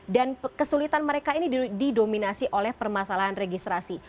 dan kesulitan mereka ini didominasi oleh permasalahan registrasi